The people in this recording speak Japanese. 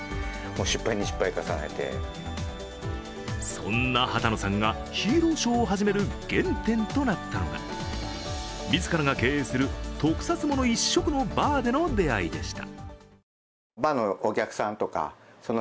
そんな羽田野さんがヒーローショーを始める原点となったのが、自らが経営する特撮もの一色でのバーでの出会いでした。